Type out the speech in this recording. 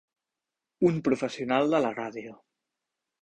Un professional de la ràdio.